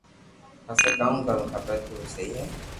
پسي ڪاو ُ ڪروُ کپي تو ايم سھي ھي